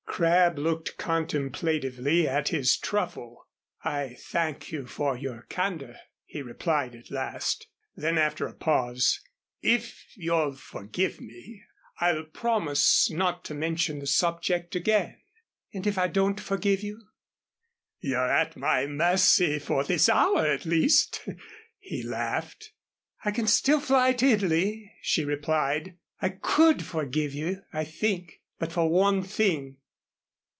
Crabb looked contemplatively at his truffle. "I thank you for your candor," he replied at last. Then after a pause, "If you'll forgive me, I'll promise not to mention the subject again." "And if I don't forgive you?" "You're at my mercy for this hour at least," he laughed. "I can still fly to Italy," she replied. "I could forgive you, I think, but for one thing."